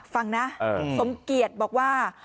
ฟังนะสมเกียจบอกว่า